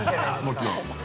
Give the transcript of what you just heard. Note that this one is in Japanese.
◆もちろん。